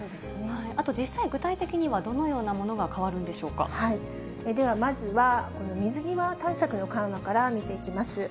あと実際、具体的にはどのよではまずは、この水際対策の緩和から見ていきます。